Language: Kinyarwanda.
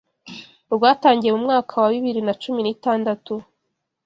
rwatangiye mu mwaka wa bibiri na cumi nitandatu